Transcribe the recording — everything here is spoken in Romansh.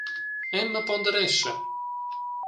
Emma ponderescha.